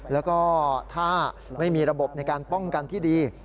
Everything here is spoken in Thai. แล้วก็ถ้าไม่มีระบบในการป้องกันที่ดี